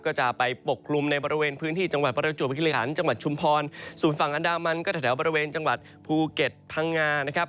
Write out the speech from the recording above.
ก็จะไปปกคลุมในบริเวณพื้นที่จังหวัดประจวบคิริขันจังหวัดชุมพรส่วนฝั่งอันดามันก็แถวบริเวณจังหวัดภูเก็ตพังงานะครับ